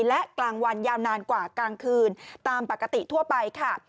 และกลางวันยาวนานกว่ากลางคืนตามปกติทั่วไปค่ะ